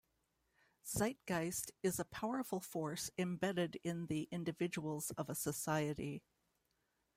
Zeitgeist is a powerful force embedded in the individuals of a society.